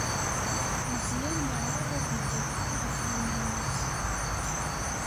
Meẓẓyan yeɛreḍ ad idafeɛ ɣef yiman-is.